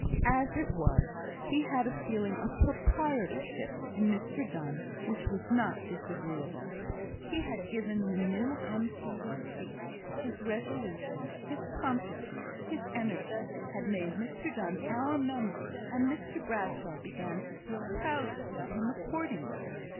As it was, he had a feeling of proprietorship in Mr Donne which was not disagreeable. He had given the new M.P. his seat; his resolution, his promptitude, his energy, had made Mr Donne "our member;" and Mr Bradshaw began to feel proud of him accordingly.